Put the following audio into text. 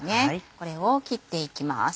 これを切っていきます。